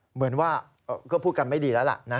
เหมือนว่าก็พูดกันไม่ดีแล้วล่ะนะ